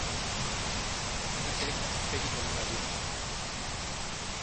Unaxek aurpegi polita du